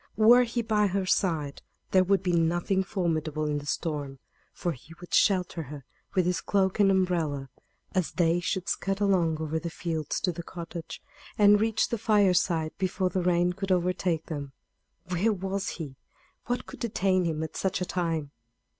Were he by her side there would be nothing formidable in the storm, for he would shelter her with his cloak and umbrella, as they should scud along over the fields to the cottage, and reach the fireside before the rain could overtake them. Where was he? What could detain him at such a time?